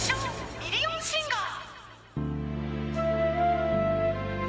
ミリオンシンガー